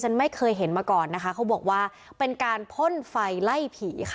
ไม่เคยเห็นมาก่อนนะคะเขาบอกว่าเป็นการพ่นไฟไล่ผีค่ะ